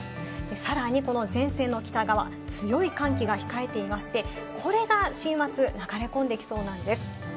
さらにこの前線の北側、強い寒気が控えていまして、これが週末、流れ込んできそうなんです。